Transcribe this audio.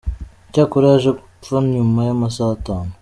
Icyakora yaje gupfa nyuma y’amasaha atanu.